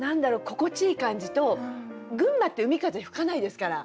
心地いい感じと群馬って海風吹かないですから。